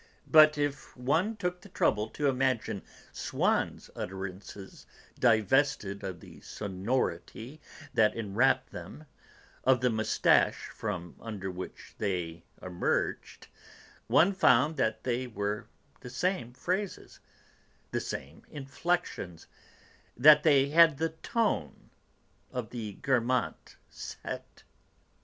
But if one took the trouble to imagine Swann's utterances divested of the sonority that enwrapped them, of the moustache from under which they emerged, one found that they were the same phrases, the same inflexions, that they had the 'tone' of the Guermantes set.